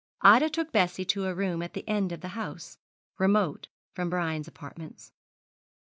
Ida took Bessie to a room at the end of the house, remote from Brian's apartments.